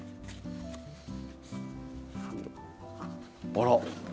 あら！